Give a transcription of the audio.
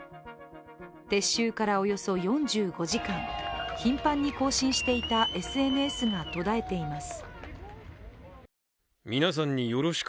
撤収からおよそ４５時間頻繁に更新していたＳＮＳが途絶えています。